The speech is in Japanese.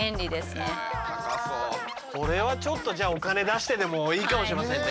これはちょっとお金出してでもいいかもしれませんね。